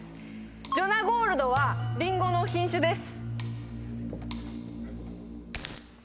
ジョナゴールドはりんごの品種です。